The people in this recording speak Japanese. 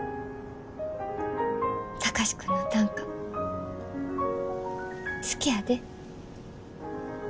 貴司君の短歌好きやで。